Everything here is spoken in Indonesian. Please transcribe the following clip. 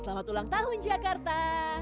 selamat ulang tahun jakarta